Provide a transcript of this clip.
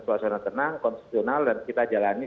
suasana tenang konstitusional dan kita jalani